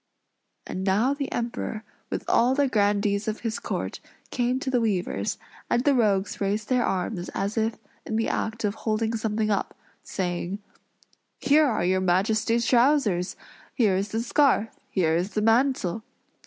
And now the Emperor, with all the grandees of his court, came to the weavers; and the rogues raised their arms, as if in the act of holding something up, saying, "Here are your Majesty's trousers! Here is the scarf! Here is the mantle!